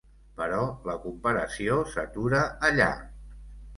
Però la comparació s'atura allà.